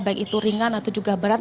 baik itu ringan atau juga berat